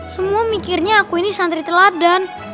semua mikirnya aku ini santri teladan